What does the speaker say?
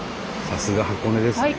さすが箱根ですね。